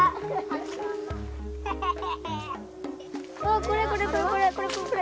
あこれこれこれこれ。